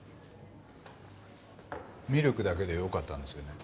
ミルクだけでよかったんですよね？